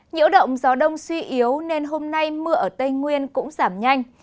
nhiễu động gió đông suy yếu nên hôm nay mưa ở tây nguyên cũng giảm nhanh